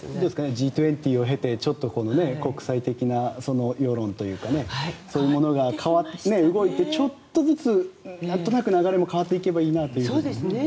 Ｇ２０を経て国際的な世論というかそういうものが動いてちょっとずつ何となく流れも変わっていけばいいなと思いますね。